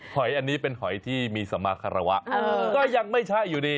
หอยอันนี้เป็นหอยที่มีสมาคารวะก็ยังไม่ใช่อยู่ดี